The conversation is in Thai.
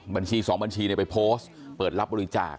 บัญชี๒บัญชีไปโพสต์เปิดรับบริจาค